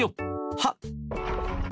はっ！